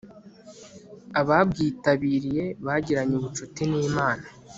ababwitabiriye bagiranye ubucuti n'imana